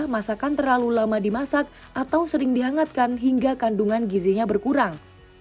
masakan terlalu lama dimasak atau sering dihangatkan hingga kandungan gizinya berkurang